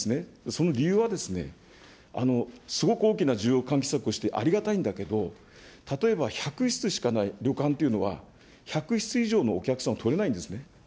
その理由はですね、すごく大きな需要喚起策としてありがたいんだけど、例えば１００室しかない旅館というのは、１００室以上のお客さんを取れないんですね。